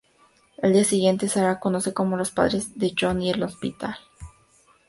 Al día siguiente, Sarah conoce a los padres de Johnny en el hospital.